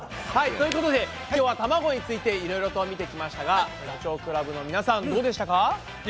はいということで今日は卵についていろいろと見てきましたがダチョウ倶楽部の皆さんどうでしたか？